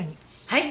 はい。